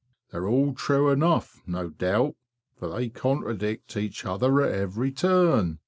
They're all true enough, no doubt, for they contradict each other at every turn.